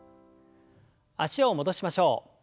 脚を戻しましょう。